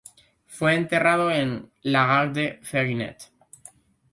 Fue enterrado en La Garde-Freinet.